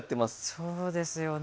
そうですよね。